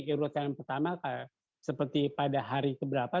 euroterm pertama seperti pada hari keberapa